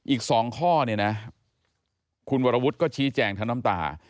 อีก๒ข้อเนี่ยนะคุณวรวุฒิก็ชี้แจงทั้งน้ำตา